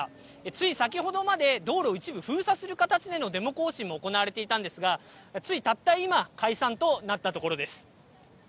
つい先ほどまで、道路を一部封鎖する形でのデモ行進も行われていたんですが、つい、たった今、解散となったところです。